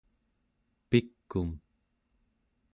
pik'um